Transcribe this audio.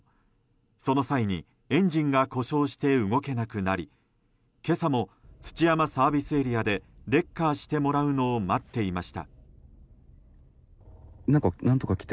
その際に、エンジンが故障して動けなくなり今朝も土山ＳＡでレッカーしてもらうのを待っていました。